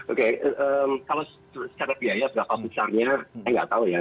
oke kalau secara biaya berapa besarnya saya nggak tahu ya